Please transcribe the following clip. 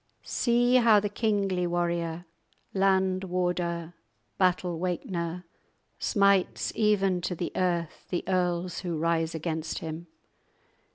_ "See how the kingly warrior, Land warder, battle wakener, Smites even to the earth The earls who rise against him!